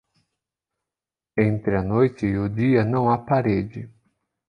Entre a noite e o dia não há parede.